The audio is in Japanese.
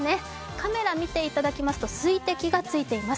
カメラ見ていただきますと水滴がついています。